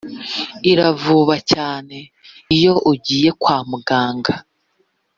iravuba cyane iyo ugiye kwa muganga